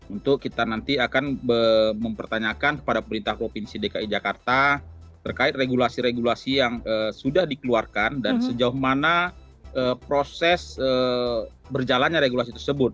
untuk kita nanti akan mempertanyakan kepada pemerintah provinsi dki jakarta terkait regulasi regulasi yang sudah dikeluarkan dan sejauh mana proses berjalannya regulasi tersebut